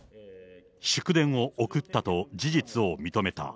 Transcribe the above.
祝電を送ったと事実を認めた。